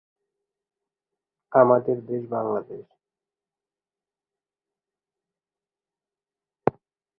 এখানে রয়েছে রাজপ্রাসাদ, রাজবাড়ির প্রাচীর, পাহারা চৌকি, ঠাকুর মন্দির, দুর্গা মন্দির, নাট্যশালা ইত্যাদি।